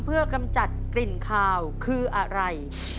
เพื่อกำจัดกลิ่นคาวคืออะไร